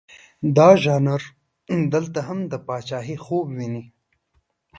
دا ژانر دلته هم د پاچهي خوب ویني.